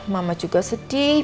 mama juga sedih